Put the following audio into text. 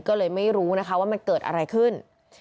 ก็เลยไม่รู้นะคะว่ามันเกิดอะไรขึ้น